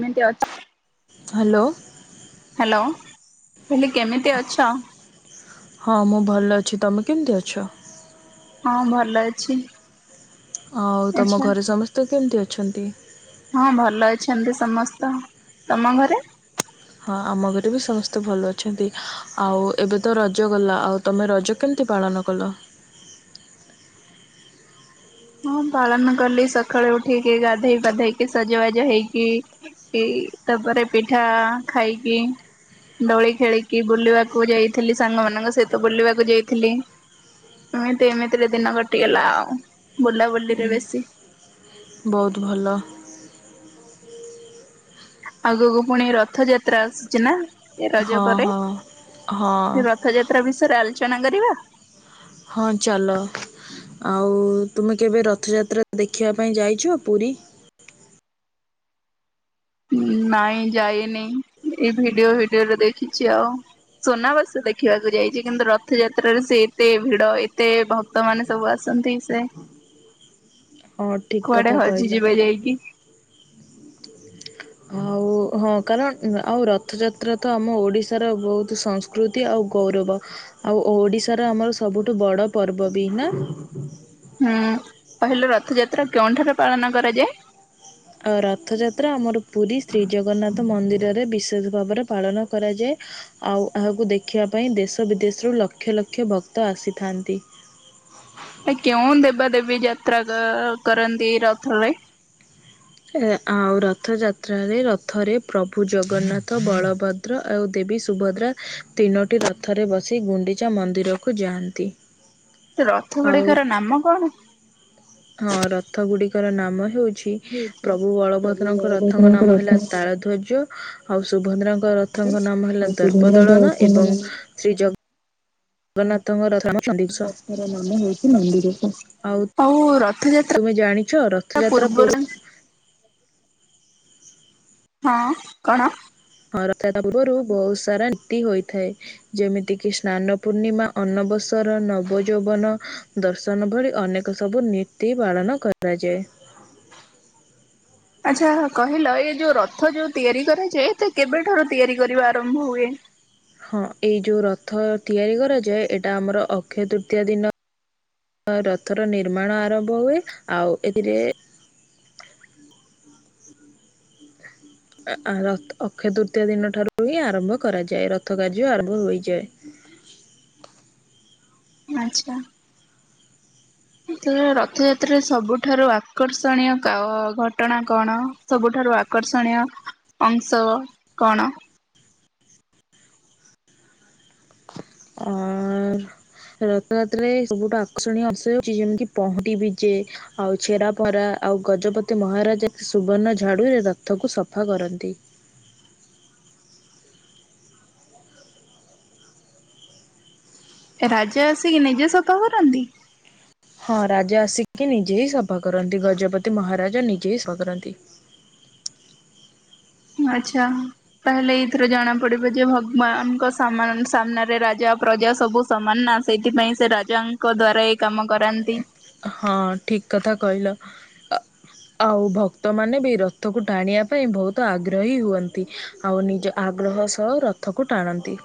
ଏମିତି ଅଛି। Hello hello କହିଲି କେମିତି ଅଛ! ହଁ, ମୁଁ ଭଲ ଅଛି ତମେ କେମିତି ଅଛ? ହଁ, ଭଲ ଅଛି। ଆଉ ତମ ଆଚ୍ଛା ଘରେ ସମସ୍ତେ କେମିତି ଅଛନ୍ତି।? ହଁ, ଭଲ ଅଛନ୍ତି ସମସ୍ତେ ତମ ଘରେ ହଁ, ଆମ ଘରେ ବି ସମସ୍ତେ ଭଲ ଅଛନ୍ତି। ଆଉ ଏବେ ତ ରଜ ଗଲା ଆଉ ତମେ ରଜ କେମିତି ପାଳନ କଲ? ହଁ, ପାଳନ କଲି ସକାଳୁ ଉଠିକି ଗାଧେଇ ପାଧେଇକି ସଜବାଜ ହେଇକି କି ତାପରେ ପିଠା ଖାଇକି ଦୋଳି ଖେଳିକି ବୁଲିବାକୁ ଯାଇଥିଲି ସାଙ୍ଗମାନଙ୍କ ସହିତ ବୁଲିବାକୁ ଯାଇଥିଲି। ଏମିତି ଏମିତିରେ ଦିନ କଟିଗଲା ଆଉ ବୁଲାବୁଲିରେ ବେଶୀ। ବହୁତ ଭଲ। ଆଗକୁ ପୁଣି ରଥଯାତ୍ରା ଆସୁଛି ନା? ଏ ରଜ ହଁ ପରେ ହଁ ହଁ। ରଥଯାତ୍ରା ବିଷୟରେ ଆଲୋଚନା କରିବା? ହଁ ଚାଲ। ଆଉ ତୁମେ କେବେ ରଥଯାତ୍ରା ଦେଖିବା ପାଇଁ ଯାଇଛ ପୁରୀ? ନାଇଁ ଯାଇନି। ଏଇ ଭିଡିଓ ଭିଡିଓରେ ଦେଖିଚି ଆଉ। ସୁନାବେସ ଦେଖିବାକୁ ଯାଇଚି କିନ୍ତୁ ରଥଯାତ୍ରାରେ ସେ ଏତେ ଭିଡ ଏତେ ଭ କ୍ତ ମାନେ ସବୁ ଆସନ୍ତି ସେ, ହଁ ଠିକ୍ କୁଆଡେ କଥା କହିଲ ହଜିଯିବେ ଯାଇକି। ଆଉ [inaudible] ହଁ କାରଣ ଆଉ ରଥଯାତ୍ରା ତ ଆମ ଓଡ଼ିଶାର ବହୁତ ସଂସ୍କୃତି ଆଉ ଗୌରବ। ଆଉ ଓଡିଶାର ଆମର ସବୁଠୁ ବଡ ପର୍ବ ବି ନା? ହୁଁ କହିଲୁ ରଥଯାତ୍ରା କେଉଁଠାରୁ ପାଳନ କରାଯାଏ? ଆ ରଥଯାତ୍ରା ଆମର ପୁରୀ ଶ୍ରୀଜଗନ୍ନାଥ ମନ୍ଦିରରେ ବିଶେଷ ଭାବରେ ପାଳନ କରାଯାଏ। ଆଉ ଏହାକୁ ଦେଖିବା ପାଇଁ ଦେଶ ବିଦେଶରୁ ଲକ୍ଷ ଲକ୍ଷ ଭକ୍ତ ଆସିଥାନ୍ତି। କେଉଁ ଦେବା ଦେବୀ ଯାତ୍ରା କର୍ କରନ୍ତି ରଥରେ? ଆଉ ରଥଯାତ୍ରାରେ ରଥରେ ପ୍ରଭୁ ଜଗନ୍ନାଥ ବଳଭ ଦ୍ର ଆଉ ଦେବୀ ସୁଭଦ୍ରା ତିନୋଟି ରଥରେ ବସି ଗୁଣ୍ଡିଚା ମନ୍ଦିରକୁ ଯାଆନ୍ତି। ସେ ରଥ ଆଉ ଗୁଡିକ ର ନାମ କଣ? ହଁ ରଥ ଗୁଡ଼ିକର ନାମ ହେଉଛି ହଉଛି ପ୍ରଭୁ ପ୍ରଭୁ ବଳଭଦ୍ରଙ୍କ ରଥଙ୍କ ବଳଭଦ୍ରଙ୍କ ନାମ ରଥ ହେଲା ତାଳ ଧ୍ୱର୍ଯ୍ୟ। ଆଉ ସୁଭଦ୍ରାଙ୍କ ରଥଙ୍କ ନାମ ହେଲା ଆଉ ଦର୍ପ ସୁଭଦ୍ରାଙ୍କ ଦଳନ ରଥଙ୍କ ଏବଂ ନାମ ଶ୍ରୀ ଜ ଗନ୍ନାଥଙ୍କ ରଥ ଚଣ୍ଡିଘୋଷ ରଥର ନାମ ହେଉଛି ନନ୍ଦିଘୋଷ ଆଉ ର ତୁମେ ଜାଣିଛ ଥଯାତ୍ରା ରଥଯାତ୍ରା ପୂର୍ବ ପୂର୍ବରୁ ହଁ କଣ? ହଁ ରଥ ଯାତା ପୂର୍ବରୁ ବହୁତ ସାରା ନୀତି ହୋଇଥାଏ। ଯେମିତି କିି ସ୍ନାନ ପୂର୍ଣ୍ଣିମା, ଅନ୍ବବସର, ନବଯୌବନ ଦର୍ଶନ ଭଳି ଅନେକ ସବୁ ନୀତି ପାଳନ କରାଯାଏ। ଆଚ୍ଛା କହିଲ ଏ ଯୋଉ ରଥ ଯୋଉ ତିଆରି କରାଯାଏ ଏତେ କେବେଠାରୁ ତିଆରି କରିବା ଆରମ୍ଭ ହୁଏ? ହଁ ଏଇ ଯୋଉ ରଥ ତିଆରି କରାଯାଏ। ଏଇଟା ଆମର ଅକ୍ଷୟ ତୃତୀୟା ଦିନ ରଥର ନିର୍ମାଣ ଆରମ୍ଭ ହୁଏ। ଆଉ ଏଥିରେ ରଥ୍ ଅକ୍ଷୟ ତୃତୀୟା ଦିନ ଠାରୁ ହିଁ ଆରମ୍ଭ କରାଯାଏ। ରଥ କାର୍ଯ୍ୟ ଆରମ୍ଭ ହୋଇଯାଏ। ଆଚ୍ଛା। ଏଥର ରଥଯାତ୍ରାରେ ସବୁଠାରୁ ଆକର୍ଷଣୀୟ କା ଘଟଣା କଣ? ସବୁଠାରୁ ଆକର୍ଷଣୀୟ ଅଂଶ କଣ? ଅଁ ରଥଯାତ୍ରରେ ସବୁଠୁ ଆକର୍ଷଣୀୟ ଅଂଶ ହେଉଚି ଯେମିତିି ପହଁଡି ବିଜେ ଆଉ ଛେରା ପରା, ଆଉ ଗଜପତି ମହାରାଜ ସୁବର୍ଣ୍ଣ ଝାଡୁରେ ରଥକୁ ସଫା କରନ୍ତି। ରାଜା ଆସିକି ନିଜେ ସଫା କରନ୍ତି? ହଁ ରାଜା ଆସିକି ନିଜେ ହିଁ ସଫା କରନ୍ତି। ଗଜପତି ମହାରାଜା ନିଜେ ହିଁ ସଫା କରନ୍ତି। ହୁଁ ଆଚ୍ଛା। ତାହେଲେ ଏଇଥିରୁ ଜଣା ପଡିବ ଯେ ଭଗବାନଙ୍କ ସାମାନ୍ ସାମ୍ନାରେ ରାଜା ପ୍ରଜା ସବୁ ସମାନ ନା ସେଇଥିପାଇଁ ସେ ରାଜାଙ୍କ ଦ୍ଵାରା ଏଇ କାମ କରାନ୍ତି। ହଁ ଠିକ୍ କଥା କହିଲ। ଆଉ ଭକ୍ତମାନେ ବି ରଥକୁ ଟାଣିବା ପାଇଁ ବହୁତ ଆଗ୍ରହୀ ହୁଅନ୍ତି। ଆଉ ନିଜ ଆଗ୍ରହ ସହ ରଥକୁ ଟାଣନ୍ତି।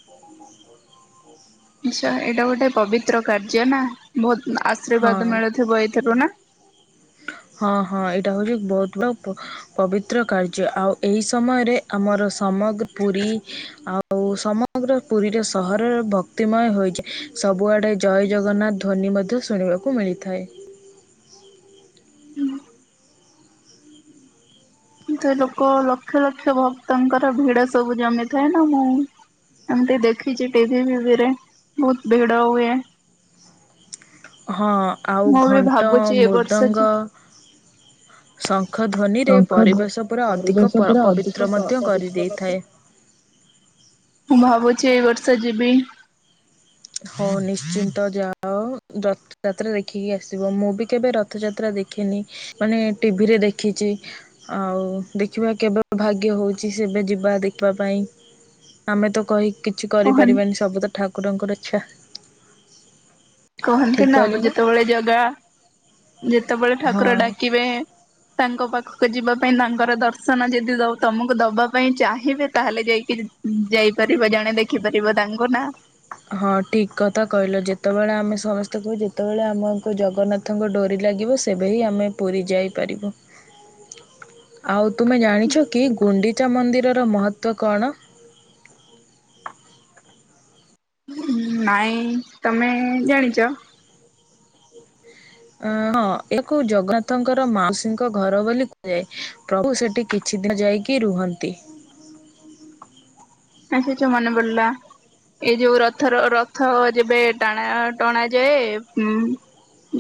[inaudible] [inaudible] ଆଛା ଏଇଟା ଗୋଟେ ପବିତ୍ର କାର୍ଯ୍ୟ ନା ବହୁତ ହଁ ଆଶୀର୍ବାଦ ମିଳୁଥିବ ଏଇଥିରୁ ନା? ହଁ ହଁ ଏଇଟା ହଉଛି ବହୁତ ବଡ ପ ପବିତ୍ର କାର୍ଯ୍ୟ ଆଉ ଏହି ସମୟରେ ଆମର ସମ ପୁରୀ ଆଉ ଆଉ ସମଗ୍ର ପୁରୀରେ ସହରର ଭକ୍ତିମୟ ହୋଇଛି ସବୁଆଡ଼େ ଜୟ ଜଗନ୍ନାଥ ଧ୍ୱନି ମଧ୍ୟ ଶୁଣିବାକୁ ମିଳିଥାଏ। ଏ ତ ଲୋକ ଲକ୍ଷ ଲକ୍ଷ ଭକ୍ତଙ୍କର ଭିଡ ସବୁ ଜମିଥାଏ ନା ମୁଁ ଏମିତି ଦେଖିଛି ଟିଭି ଫିଭିରେ ବହୁତ ଭିଡ ହୁଏ। ହଁ ଆଉ ମୁଁ ବି ଘଣ୍ଟ ଭାବୁଛି ଏ ବର୍ଷ ଯି ମୃଦଙ୍ଗ ଶଙ୍ଖ ଧ୍ୱନିରେ ଶଙ୍ଖ ଧ୍ଵ ପରିବେଶ ପୁରା ଅଧିକ ପରିବେଶ ପ ଉପରେ ଅଧିକ ପବିତ୍ର ମଧ୍ୟ ପ କରିଦେଇଥାଏ [unintelligible] ମୁଁ ଭାବୁଛି ଏଇ ବର୍ଷ ଯିବି। ହଁ ନିଶ୍ଚିନ୍ତ ଯାଅ। ରଥଯାତ୍ରା ଦେଖିକି ଆସିବ ମୁଁ ବି କେବେ ରଥଯାତ୍ରା ଦେଖେନି ମାନେ ଟିଭିରେ ଦେଖିଛି। ଆଉ ଦେଖିବା କେବେ ଭାଗ୍ୟ ହଉଛି ସେ ଏବେ ଯିବା ଦେଖିବା ପାଇଁ। ଆମେ ତ କହି କିଛି କହନ କରିପାରିବାନି ସବୁ ତ ଠାକୁରଙ୍କର ଇଚ୍ଛା। କହନ୍ତି ଠିକ ନା କହିଲି ମୁଁ ଯେତେବେଳେ ଜାଗା ଯେତେବେଳେ ହଁ ଠାକୁର ଡାକିବେ। ତାଙ୍କ ପାଖକୁ ଯିବା ପାଇଁ ତାଙ୍କର ଦର୍ଶନ ଯଦି ତମକୁ ଦବା ପାଇଁ ଚାହିଁବେ ତାହେଲେ ଯାଇକି ଯାଇପାରିବ ଜଣେ ଦେଖିପାରିବ ତାଙ୍କୁ ନା। ହଁ ଠିକ୍ କଥା କହିଲ ଯେତେବେଳେ ଆମେ ସମସ୍ତେ କୁ ଯେତେବେଳେ ଆମକୁ ଜଗନ୍ନାଥ ରଥଙ୍କ ଡୋରି ଲାଗିବ ସେବେ ହିଁ ଆମେ ପୁରୀ ଯାଇପାରିବୁ। ହ ଆଉ ତୁମେ ଜାଣିଛ କି ଗୁଣ୍ଡିଚା ମନ୍ଦିରର ମହତ୍ଵ କଣ? ନାଇଁ ତମେ ଜାଣିଛ? ଅ ହଁ ଏହାକୁ ଜଗନ୍ନାଥଙ୍କର ମାଉସୀଙ୍କ ଘର ବୋଲି କୁହାଯାଏ। ପ୍ରଭୁ ସେଠି କିଛି ଦିନ ଯାଇକି ରୁହନ୍ତି। ଆ ସେ ଯୋଉ ମନେ ପଡିଲା। ଏଇ ଯୋଉ ରଥର ରଥ ଯେବେ ଟଣା ଟଣା ଯାଏ ଉ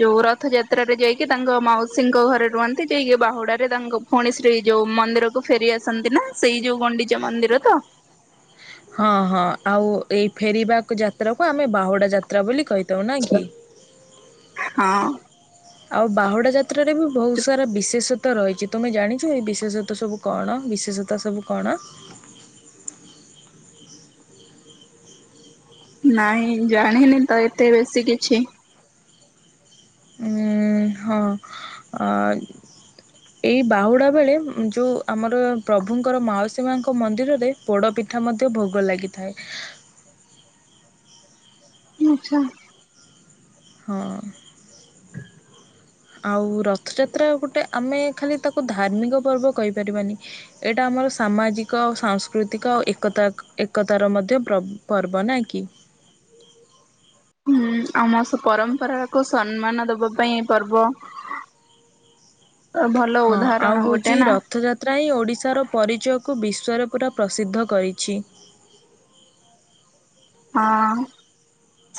ଯୋଉ ରଥଯାତ୍ରରେ ଯାଇକି ତାଙ୍କ ମାଉସୀଙ୍କ ଘରେ ରୁହନ୍ତି। ଯାଇକି ବାହୁଡାରେ ତାଙ୍କ ପୁଣି ସେରୀ ଯୋଉ ମନ୍ଦିରକୁ ଫେରି ଆସନ୍ତି ନା ସେଇ ଯୋଉ ଗଣ୍ଡିଚା ମନ୍ଦିର ତ? ହଁ ହଁ ଆଉ ଏଇ ଫେରିବା ଯାତ୍ରାକୁ ଆମେ ବାହୁଡା ଯାତ୍ରା ବୋଲି କହି ଦଉନ କି ହଁ ଆଉ ବାହୁଡା ଯା ତ୍ର ରେ ବି ବହୁତ ସାରା ବିଶେଷ ତ ରହିଛି ତୁମେ ଜାଣିଛୁ ଏଇ ବିଶେଷତ ସବୁ କଣ ବିଶେଷତା ସବୁ କଣ? ନାଇଁ ଜାଣିନି ତ ଏତେ ବେଶୀ କିଛି। ଉଁ ହଁଅ ହ ଏହିବାହୁଡ଼ା ବେଳେ ଯୋଉ ଆମର ପ୍ରଭୁଙ୍କର ମାଉସୀମାଙ୍କ ମନ୍ଦିରରେ ପୋଡ଼ ପିଠା ମଧ୍ୟ ଭୋଗ ଲାଗିଥାଏ। ଆଚ୍ଛା। ହଁ। ଆଉ ରଥଯାତ୍ରା ଗୋଟେ ଆମେ ଖାଲି ତାକୁ ଧାର୍ମିକ ପର୍ବ କହିପାରିବାନି। ଏଇଟା ଆମର ସାମାଜିକ, ସାଂସ୍କୃତିକ ଏକତା ଏକ୍ ଏକତାର ମଧ୍ୟ ପ୍ର ପର୍ବ ନା କି। ହୁଁ ଆମର ସେ ପରମ୍ପରାକୁ ସମ୍ମାନ ଦବା ପାଇଁ ଏ ପର୍ବ। ଅ ଭଲ ଉଦାହରଣ ଗୋଟେ ନା। ତ୍ରାଇ ଓଡ଼ିଶାର ପରିଚୟକୁ ବିଶ୍ୱରେ ପୁରା ପ୍ରସିଦ୍ଧ କରିଛି। ହଁଅଁ।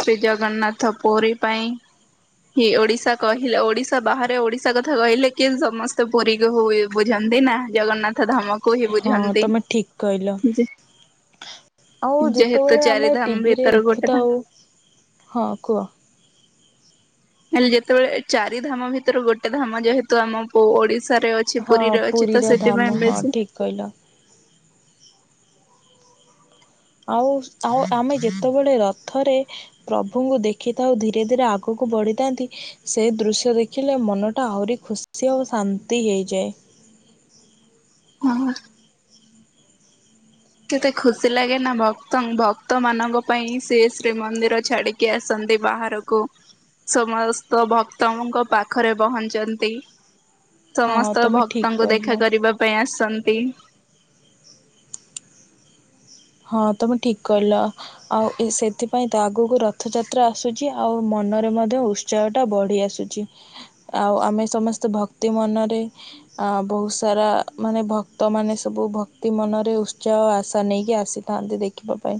ଶ୍ରୀ ଜଗନ୍ନାଥ ପୁରୀ ପାଇଁ। ହି ଓଡିଶା କହିଲେ ଓଡିଶା ବାହାରେ ଓଡିଶା କଥା କହିଲେ କିଏ ସମସ୍ତେ ପୁରୀ କୁ ହୁଏ। ବୁଝନ୍ତି ନା ଜଗନ୍ନାଥ ଧାମ। ହଁଅଁ ତମେ ଠିକ୍ କଇଲ। ଯେ ଆଉ ଯେହେତୁ ଯେତେବେଳେ ଚାରି ଆମେ ଧାମ ଟିଭିରେ ଭିତରୁ ଗୋଟେ ଧାମ। ଦେଖୁଥାଉ, ହଁ କୁଅ। ହେଲେ ଯେତେବେଳେ ଏ ଚାରି ଧାମ ଭିତରୁ ଗୋଟେ ଧାମ ଯେହେତୁ ଆମ ଓ ଓଡିଶାରେ ଅ ଛି, ପୁରୀରେ ଅଛି ତ ସେଥିପାଇଁ ବେଶୀ କଇଲ। ଆଉ ଆଉ ଆମେ ଯେତେବେଳେ ରଥରେ ପ୍ରଭୁଙ୍କୁ ଦେଖିଥାଉ ଧୀରେ ଧୀରେ ଆଗୁକୁ ବଢ଼ିଥାନ୍ତି ସେ ଦୃଶ୍ୟ ଦେଖିଲେ ମନଟା ଆହୁରି ଖୁସି ଆଉ ଶାନ୍ତି ହେଇଯାଏ। ହଁ କେତେ ଖୁସି ଲାଗେ ନା ଭକ୍ତଂ ଭକ୍ତ ମାନଙ୍କ ପାଇଁ ସିଏ ଶ୍ରୀମନ୍ଦିର ଛାଡିକି ଆସନ୍ତି ବାହାର କୁ ସମସ୍ତ ଭକ୍ତଙ୍କ ପାଖରେ ପହଞ୍ଚନ୍ତି ହଁ ସମସ୍ତ ତମେ ଠିକ୍ ଭକ୍ତଙ୍କୁ ଦେଖା କହିଲ। କରିବା ପାଇଁ ଆସିନ୍ତି। ହଁଅଁ ତମେ ଠିକ୍ କହିଲ। ଆଉ ଏ ସେଥିପାଇଁ ତ ଆଗୁକୁ ରଥଯାତ୍ରା ଆସୁଛି ଆଉ ମନରେ ମଧ୍ୟ ଉ ତ୍ସାହଟା ବଢ଼ି ଆସୁଛି। ଆଉ ଆମେ ସମେସ୍ତେ ଭକ୍ତି ମନରେ ଅ ବହୁତ୍ ସାରା ମାନେ ଭକ୍ତ ମାନେ ସବୁ ଭକ୍ତି ମନରେ ଉତ୍ସାହ ଆଶା ନେଇକି ଆସି ଥାନ୍ତି ଦେଖିବା ପାଇଁ।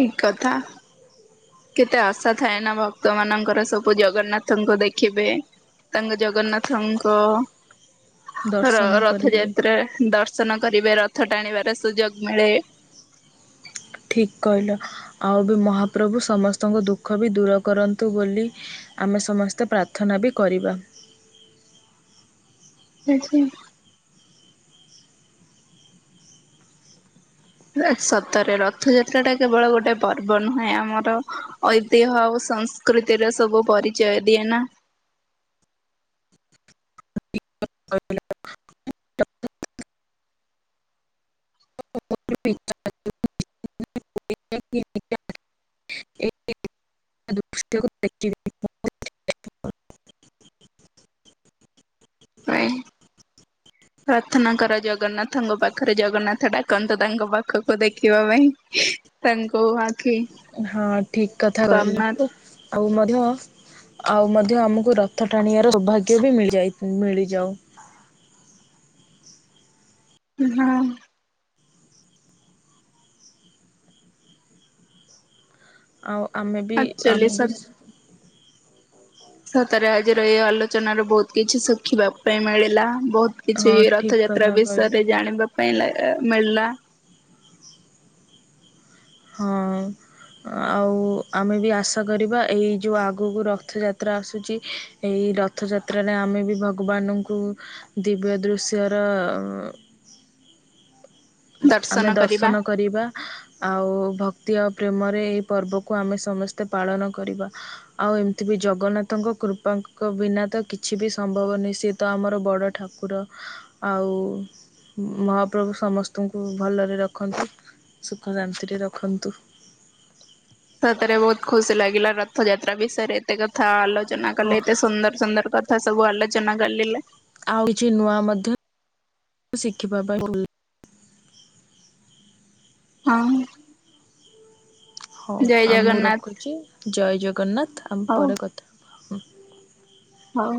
କି କଥା! କେତେ ଆଶା ଥାଏ ନା ଭକ୍ତ ମାନଙ୍କର ସବୁ ଜଗନ୍ନାଥଙ୍କୁ ଦେଖିବେ। ତାଙ୍କ ଜଗନ୍ନାଥଙ୍କ ର ଦର୍ଶନ କରିବେ। ରଥଯାତ୍ରା ଦ ର୍ଶନ କରିବେ, ରଥ ଟାଣିବାର ସୁଯୋଗ ମିଳେ। ଠିକ୍ କହିଲ ଆଉ ବି ମହାପ୍ରଭୁ ସମସ୍ତଙ୍କ ଦୁଃଖ ବି ଦୂର କରନ୍ତୁ ବୋଲି ଆମେ ସମସ୍ତେ ପ୍ରାର୍ଥନା ବି କରିବା। [unintelligible] ଅଏ ସତରେ ରଥଯାତ୍ରା ଟା କେବଳ ଗୋଟେ ପର୍ବ ନୁହେଁ ଆମର ଐତିହ୍ୟ ଆଉ ସଂସ୍ କୃତିର ସବୁ ପରିଚୟ ଦିଏ ନା। ହଁ [inaudible] [inaudible] [inaudible] ପାଇଁ ପ୍ରାର୍ଥନା କର ଜଗନ୍ନାଥଙ୍କ ପାଖରେ ଜଗନ୍ନାଥ ଡାକନ୍ତୁ ତାଙ୍କ ପାଖକୁ ଦେଖିବା ପାଇଁ। ତାଙ୍କୁ ଆଖି ହଁ ଠିକ୍ କଥା କହିଲ। ସମ୍ନାଦେ- ଆଉ ମଧ୍ୟ ଆଉ ମଧ୍ୟ ଆମୁକୁ ରଥ ଟାଣିବାର ସୌଭାଗ୍ୟ ବି ମିଳିଯାଇ ମିଳିଯାଉ। ଉଁ ହାଆଃ ଆଉ ଆମେ ବି ଆକ୍ଚୁଆଲି ଆମେ ବି ସ ସତରେ ଆଜିର ଏଇ ଆଲୋଚନ ର ବହୁତ୍ କିଛି ଶିଖିବା ପାଇଁ ମିଳିଲା ବହୁତ୍ କିଛି ହଁ ଠିକ୍ ରଥଯାତ୍ରା କଥା କହିଲ। ବିଷୟରେ ଜାଣିବା ପାଇଁ ମିଳିଲା ହଁ। ଆଉ ଆମେ ବି ଆଶା କରିବା ଏଇ ଯୋଉଁ ଆଗକୁ ରଥଯାତ୍ରା ଆସୁଛି ଏହି ରଥଯାତ୍ରାରେ ଆମେ ବି ଭଗବାନଙ୍କୁ ଦିବ୍ୟ ଦୃଶ୍ୟର ଆମେ ଦର୍ଶନ କରିବା। ଆଉ ଭକ୍ତି ଆଉ ପ୍ରେମରେ ଏଇ ପର୍ବକୁ ଆମେ ସମସ୍ତେ ପାଳନ କରିବା। ଆଉ ଏମିତି ବି ଜଗନ୍ନାଥଙ୍କ କୃପାଙ୍କ ବିନା ତ କିଛି ବି ସମ୍ଭବ ନୁହେଁ ସେ ତ ଆମର ବଡ଼ ଠାକୁର ଆଉ ମହାପ୍ରଭୁ ସମସ୍ତ ପ୍ରଭୁ ଭଲରେ ରଖନ୍ତୁ ସୁଖ ଶାନ୍ତିରେ ରଖନ୍ତୁ। ସତରେ ବହୁତ ଖୁସି ଲାଗିଲା ରଥଯାତ୍ରା ବିଷୟରେ ଏତେ କଥା ଆଲୋଚନା ହଁ କଲେ ଏତେ ସୁନ୍ଦର ସୁନ୍ଦର କଥା ସବୁ ଆଲୋଚନା ଗଲେ ଆଉ କିଛି ନୂଆ ମଧ୍ୟ ଶିଖିବା ପାଇଁ ହଁ। ହଉ ଜୟ ଆଉ ମୁଁ ଜଗନ୍ନାଥ ରଖୁଛି ଜୟ ଜଗନ୍ନାଥ ଆମ ହଉ ପରେ କଥା ହବା। ହଉ।